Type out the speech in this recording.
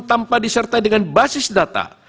tanpa disertai dengan basis data